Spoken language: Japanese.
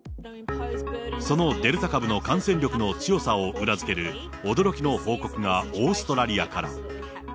そのデルタ株の感染力の強さを裏付ける、驚きの報告がオーストラリアから。